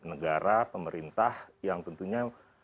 negara pemerintah yang tentunya